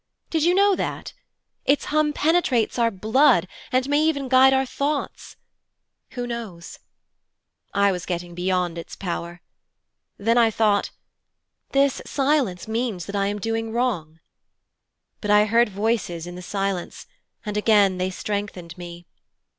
Did you know that? Its hum penetrates our blood, and may even guide our thoughts. Who knows! I was getting beyond its power. Then I thought: 'This silence means that I am doing wrong.' But I heard voices in the silence, and again they strengthened me.'